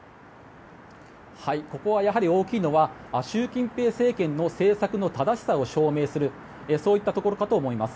ここはやはり、大きいのは習近平政権の政策の正しさを証明するところかと思います。